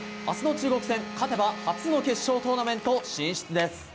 明日の中国戦、勝てば初の決勝トーナメント進出です。